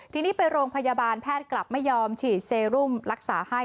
ทีนี้ไปโรงพยาบาลแพทย์กลับไม่ยอมฉีดเซรุมรักษาให้